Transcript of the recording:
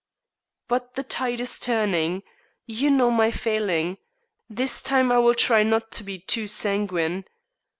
"But the tide is turning. You know my failing; this time I will try not to be too sanguine.